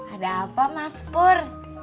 ada apa mas pur